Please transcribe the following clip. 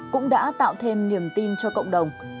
cũng đã tạo thêm niềm tin cho cộng đồng